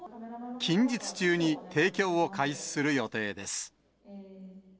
近日中に提供を開始する予定です。